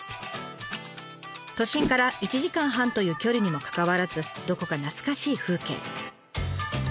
都心から１時間半という距離にもかかわらずどこか懐かしい風景。